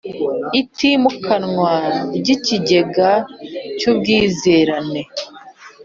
itimukanwa y ikigega cy ubwizerane